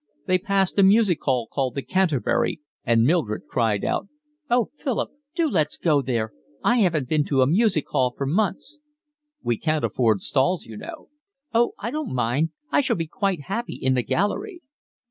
They passed a music hall called the Canterbury and Mildred cried out: "Oh, Philip, do let's go there. I haven't been to a music hall for months." "We can't afford stalls, you know." "Oh, I don't mind, I shall be quite happy in the gallery."